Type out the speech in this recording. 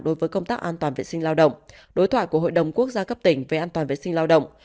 đối với công tác an toàn vệ sinh lao động đối thoại của hội đồng quốc gia cấp tỉnh về an toàn vệ sinh lao động